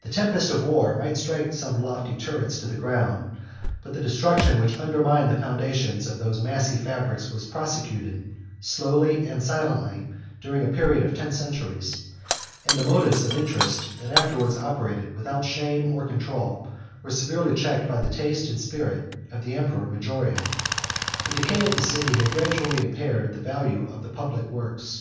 The tempest of war might strike some lofty turrets to the ground; but the destruction which undermined the foundations of those massy fabrics was prosecuted, slowly and silently, during a period of ten centuries; and the motives of interest, that afterwards operated without shame or control, were severely checked by the taste and spirit of the emperor Majorian. The decay of the city had gradually impaired the value of the public works.